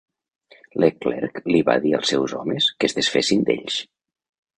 Leclerc li va dir als seus homes que es desfessin d'ells.